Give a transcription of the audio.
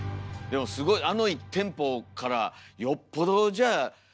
でもすごいあの１店舗からよっぽどじゃあ広まったんですね。